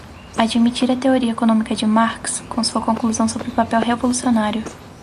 admitir a teoria econômica de Marx, com sua conclusão sobre o papel revolucionário